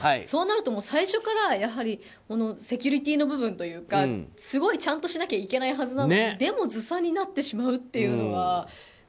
そうなると最初からセキュリティーの部分というかすごいちゃんとしなきゃいけないはずなのにでもずさんになってしまうのは。